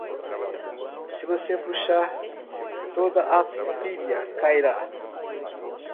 Se você puxar, toda a pilha cairá.